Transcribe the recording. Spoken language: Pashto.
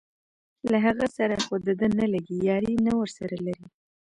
له هغې سره خو دده نه لګي یاري نه ورسره لري.